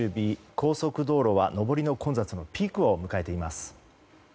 高速道路は上りの混雑のピークを迎えています。